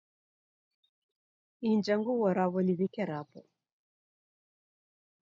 Inja nguw'o raw'o niw'ike rapo